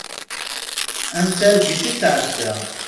Am targit i tɛedda.